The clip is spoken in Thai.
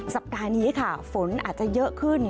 สัปดาห์นี้ค่ะฝนอาจจะเยอะขึ้น